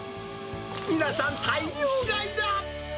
皆さん、大量買いだ。